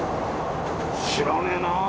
知らねえなあ。